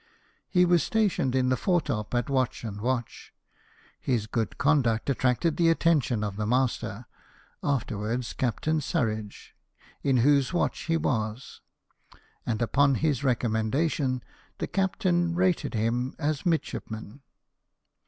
He was sta tioned in the foretop at watch and watch. His good conduct attracted the attention of the master (after wards Captain Surridge), in whose watch he was ; and, upon his recommendation, the captain rated him as midshipman.